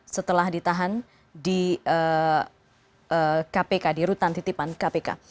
setelah ditahan di kpk di rutan titipan kpk